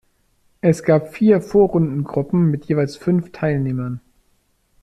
Es gab vier Vorrundengruppen mit jeweils fünf Teilnehmern.